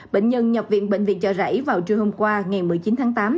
bệnh nhân nhập viện bệnh viện chợ rẫy vào trưa hôm qua ngày một mươi chín tháng tám